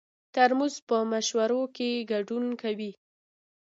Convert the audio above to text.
ترموز په مشورو کې ګډون کوي.